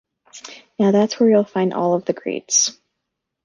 Now that's where you'll find all of the greats.